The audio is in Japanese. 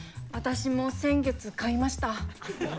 私も先月買いました。